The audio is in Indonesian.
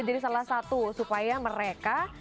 jadi salah satu supaya mereka